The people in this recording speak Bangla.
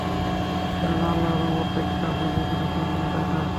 কেননা আল্লাহর রহমত থেকে কাফির ব্যতীত কেউ নিরাশ হয় না।